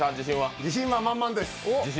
自信は満々です。